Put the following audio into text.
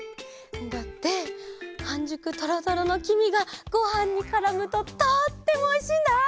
だってはんじゅくトロトロのきみがごはんにからむととってもおいしいんだ！